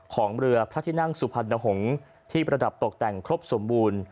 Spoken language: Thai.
ของเรือพระที่นั่งสุพรรณหงษ์ที่ประดับตกแต่งครบสมบูรณ์